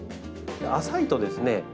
浅いとですね